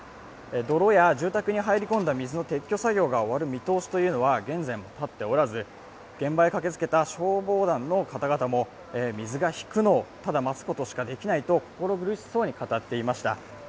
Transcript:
泥や住宅に入り込んだ水の撤去作業の終了は現在もたっておらず、現場へ駆けつけた消防団の方々も水が引くのをただ待つことしかできないと心苦しそうに語っていました。